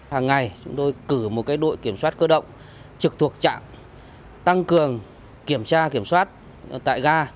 hàng ngày chúng tôi cử một đội kiểm soát cơ động trực thuộc trạm tăng cường kiểm tra kiểm soát tại ga